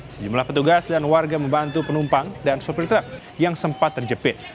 sejumlah petugas dan warga membantu penumpang dan sopir truk yang sempat terjepit